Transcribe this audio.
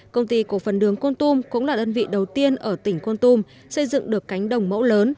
công ty cổ phần đường con tum cũng là đơn vị đầu tiên ở tỉnh con tum xây dựng được cánh đồng mẫu lớn